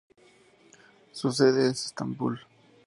Su sede está en Estambul.